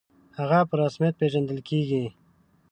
«هغه» په رسمیت پېژندل کېږي.